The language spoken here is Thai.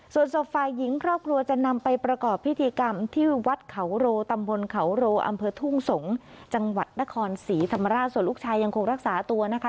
ส่วนศพฝ่ายหญิงครอบครัวจะนำไปประกอบพิธีกรรมที่วัดเขาโรตำบลเขาโรอำเภอทุ่งสงศ์จังหวัดนครศรีธรรมราชส่วนลูกชายยังคงรักษาตัวนะคะ